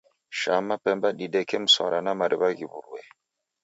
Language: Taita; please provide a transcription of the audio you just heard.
Shaa mapemba dideke mswara na mariw'a ghiw'urue.